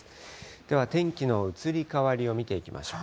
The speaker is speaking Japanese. では、天気の移り変わりを見ていきましょう。